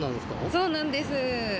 そうなんです